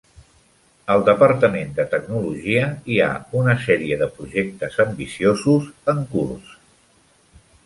Al Departament de Tecnologia hi ha una sèrie de projectes ambiciosos en curs.